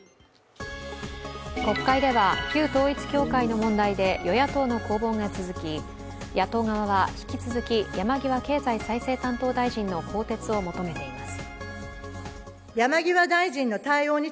国会では旧統一教会の問題で与野党の攻防が続き野党側は引き続き山際経済再生担当大臣の更迭を求めています。